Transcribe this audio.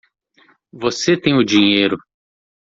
Você tem o dinheiro.